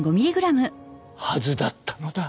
はずだったのだ。